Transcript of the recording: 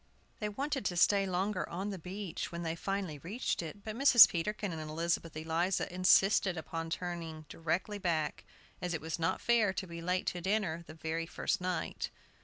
They wanted to stay longer on the beach, when they finally reached it; but Mrs. Peterkin and Elizabeth Eliza insisted upon turning directly back, as it was not fair to be late to dinner the very first night.